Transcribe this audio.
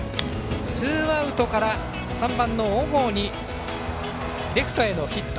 ツーアウトから３番の小郷にレフトへのヒット。